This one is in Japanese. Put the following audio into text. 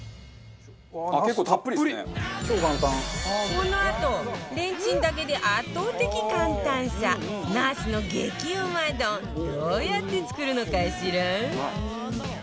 このあとレンチンだけで圧倒的簡単さ茄子の激うま丼どうやって作るのかしら？